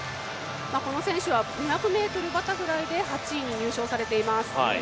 この選手は、２００ｍバタフライで８位入賞しています。